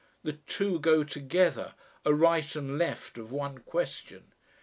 The two go together, are right and left of one question.